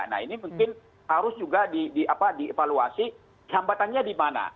nah ini mungkin harus juga dievaluasi hambatannya di mana